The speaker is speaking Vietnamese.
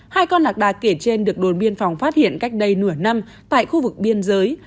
hai con lạc đà kể trên được đồn biên phòng phát hiện cách đây nửa năm tại khu vực biên giới